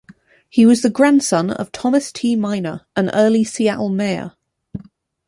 He was the grandson of Thomas T. Minor, an early Seattle mayor.